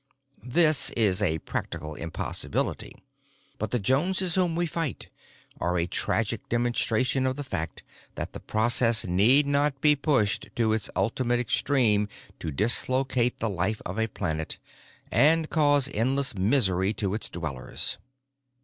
This is a practical impossibility, but the Joneses whom we fight are a tragic demonstration of the fact that the process need not be pushed to its ultimate extreme to dislocate the life of a planet and cause endless misery to its dwellers.